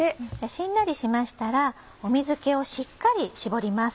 しんなりしましたら水気をしっかり絞ります。